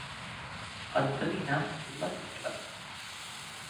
Endevinar la tecla.